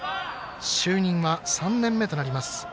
就任は３年目となります。